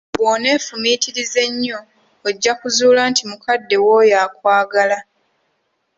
Bw'oneefumitiriza ennyo ojja kuzzuula nti mukadde wo oyo akwagala.